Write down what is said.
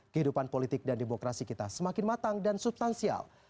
kehidupan politik dan demokrasi kita semakin matang dan substansial